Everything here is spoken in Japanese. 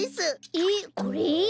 えっこれ？